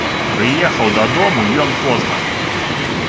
Прыехаў дадому ён позна.